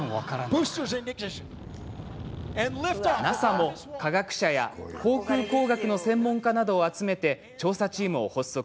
ＮＡＳＡも、科学者や航空工学の専門家などを集めて調査チームを発足。